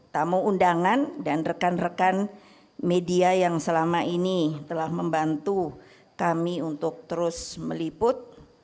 tamu undangan dan rekan rekan media yang selama ini telah membantu kami untuk terus meliput